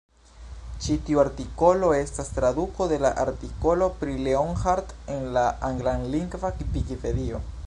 Ĉi tiu artikolo estas traduko de la artikolo pri Leonhard en la anglalingva Vikipedio.